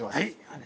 はい。